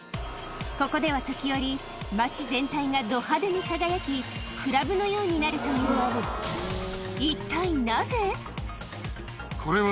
ここでは時折町全体がど派手に輝きクラブのようになるというこれは。